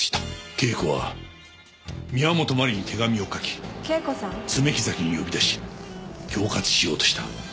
圭子は宮本真理に手紙を書き爪木崎に呼び出し恐喝しようとした。